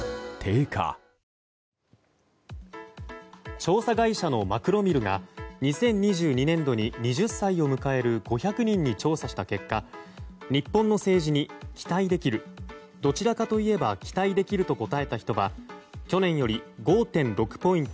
調査会社のマクロミルが２０２２年度に２０歳を迎える５００人に調査した結果日本の政治に期待できるどちらかといえば期待できると答えた人は去年より５．６ポイント